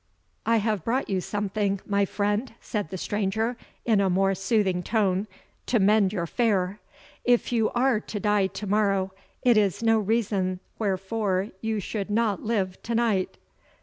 "I have brought you something, my friend," said the stranger, in a more soothing tone, "to mend your fare; if you are to die to morrow, it is no reason wherefore you should not live to night."